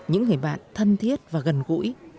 những người bạn thân thiết và gần gũi